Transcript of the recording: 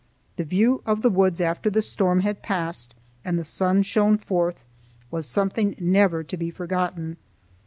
The view of the woods after the storm had passed and the sun shone forth was something never to be forgotten.